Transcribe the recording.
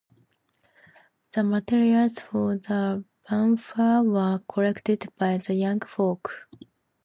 The materials for the bonfire were collected by the young folk.